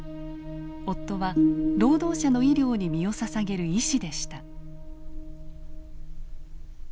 夫は労働者の医療に身をささげる医師でした。